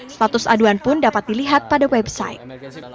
status aduan pun dapat dilihat pada website